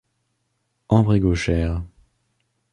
Ambre est gauchère.